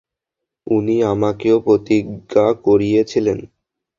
উনি আমাকেও প্রতিজ্ঞা করিয়ে ছিলেন।